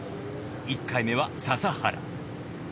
１回目は笹原